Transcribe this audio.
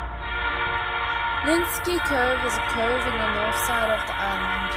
Lynsky Cove is a cove in the north side of the island.